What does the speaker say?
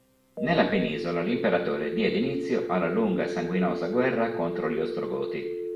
Nella penisola l'imperatore diede inizio alla lunga e sanguinosa guerra contro gli Ostrogoti.